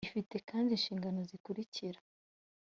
ifite kandi inshingano zikurikira